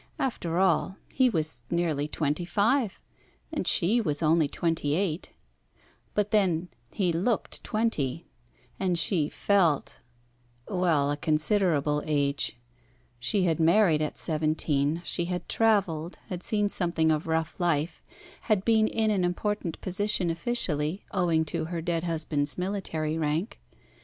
After all, he was nearly twenty five and she was only twenty eight, but then he looked twenty, and she felt well, a considerable age. She had married at seventeen. She had travelled, had seen something of rough life, had been in an important position officially owing to her dead husband's military rank.